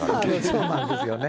そうなんですよね。